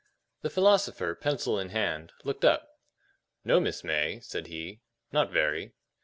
The philosopher, pencil in hand, looked up. "No, Miss May," said he, "not very."